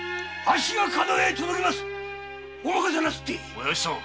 おやじさん！